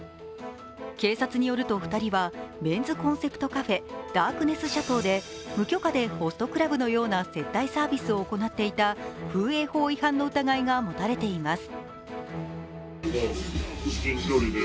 警察によると２人は、メンズコンセプトカフェ、ダークネスシャトーで無許可でホストクラブのような接待サービスを行っていた風営法違反の疑いが持たれています。